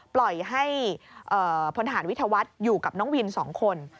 ปล่อยให้พลฐานวิทยาวัฒน์อยู่กับน้องวิน๒คน